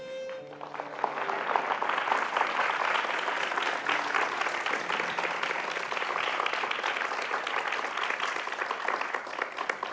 ผมสะท้อนใจเพราะว่า